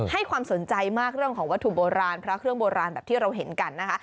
ให้ความสนใจมากเรื่องของวัตถุโบราณพระเครื่องโบราณแบบที่เราเห็นกันนะคะ